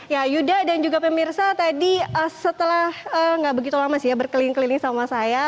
ya yuda dan juga pemirsa tadi setelah nggak begitu lama sih ya berkeliling keliling sama saya